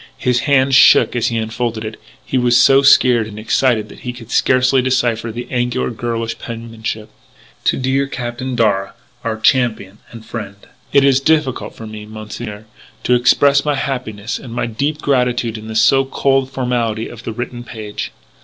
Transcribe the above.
His hand shook as he unfolded it. He was so scared and excited that he could scarcely decipher the angular, girlish penmanship: "To dear Captain Darragh, our champion and friend "It is difficult for me, Monsieur, to express my happiness and my deep gratitude in the so cold formality of the written page.